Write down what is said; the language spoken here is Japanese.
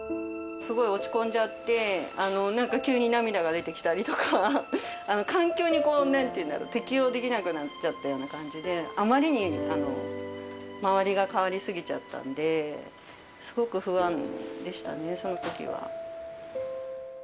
すごい落ち込んじゃって、なんか急に涙が出てきたりとか、環境に、こう、なんていうんだろう、適応できなくなっちゃったような感じで、あまりにも周りが変わり過ぎちゃったんで、すごく不安でしたね、そのときは。